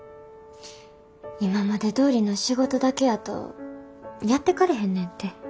今までどおりの仕事だけやとやってかれへんねんて。